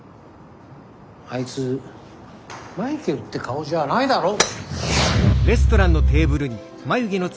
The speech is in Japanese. あいつマイケルって顔じゃないだろう。